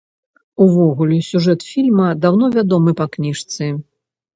Увогуле, сюжэт фільма даўно вядомы па кніжцы.